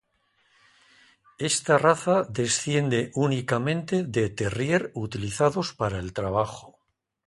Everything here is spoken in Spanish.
Esta raza desciende únicamente de terrier utilizados para el trabajo.